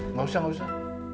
nggak usah nggak usah